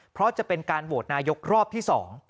เพราะจะเป็นการโหวตนายกรอบที่๒